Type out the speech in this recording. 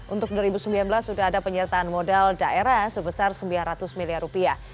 untuk dua ribu sembilan belas sudah ada penyertaan modal daerah sebesar sembilan ratus miliar rupiah